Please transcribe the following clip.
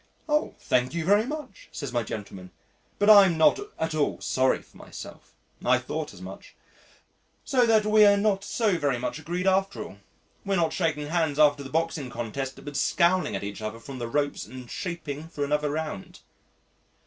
"Oh! thank you very much," says my gentleman, "but I'm not at all sorry for myself." "I thought as much. So that we are not so very much agreed after all. We're not shaking hands after the boxing contest, but scowling at each other from the ropes and shaping for another round."